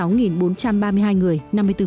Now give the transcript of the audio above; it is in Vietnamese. bốn trăm ba mươi hai người năm mươi bốn